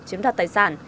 chiếm đoạt tài sản